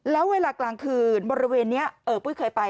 แล้วเวลากลางคืนบริเวณนี้ปุ้ยเคยไป